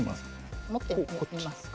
持ってみますか？